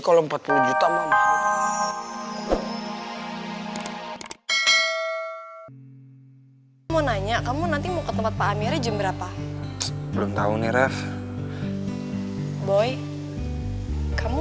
kalau empat puluh juta mama nanya kamu nanti mau ke tempat pak amiry jam berapa belum tahu nih ref boy kamu